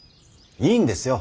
いいんですよ。